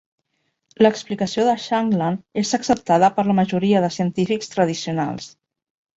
L'explicació de Shankland és acceptada per la majoria de científics tradicionals.